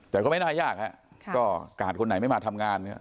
แต่ก็ไม่น่ายากฮะก็กาดคนไหนไม่มาทำงานเนี่ย